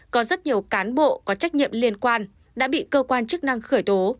có rất nhiều cán bộ có trách nhiệm liên quan đã bị cơ quan chức năng khởi tố